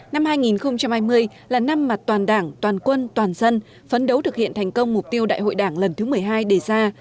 năm hai nghìn hai mươi là năm mặt toàn đảng toàn quân toàn dân phấn đấu thực hiện thành công mục tiêu đại hội đảng lần thứ một mươi hai đề ra